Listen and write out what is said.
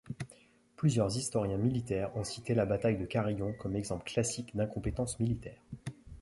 Plusieurs historiens militaires ont cité la bataille de Carillon comme exemple classique d'incompétence militaire.